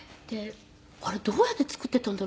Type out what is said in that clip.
あれどうやって作っていたんだろう？